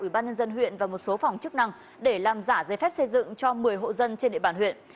ủy ban nhân dân huyện và một số phòng chức năng để làm giả giấy phép xây dựng cho một mươi hộ dân trên địa bàn huyện